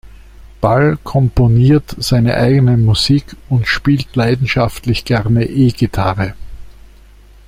Ball komponiert seine eigene Musik und spielt leidenschaftlich gerne E-Gitarre.